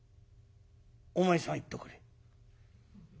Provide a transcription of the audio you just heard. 「お前さん行っとくれ」。